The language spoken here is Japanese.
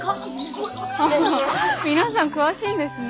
皆さん詳しいんですね。